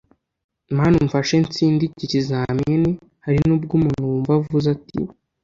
Mana umfashe nsinde iki kizamini » hari nubwo umuntu wumva avuze ati